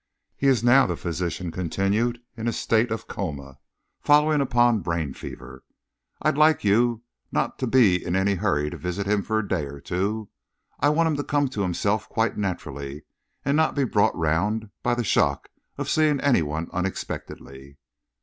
"He is now," the physician continued, "in a state of coma, following upon brain fever. I'd like you not to be in any hurry to visit him for a day or two. I want him to come to himself quite naturally and not to be brought round by the shock of seeing any one unexpectedly."